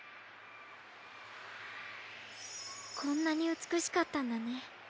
こんなにうつくしかったんだね。